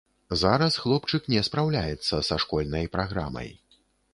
Зараз хлопчык не спраўляецца са школьнай праграмай.